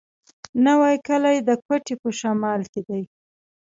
نوی کلی د کوټي په شمال کي دی.